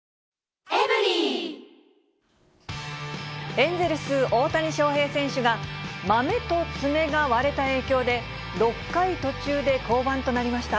エンゼルス、大谷翔平選手が、まめと爪が割れた影響で、６回途中で降板となりました。